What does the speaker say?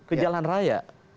ke jalan raya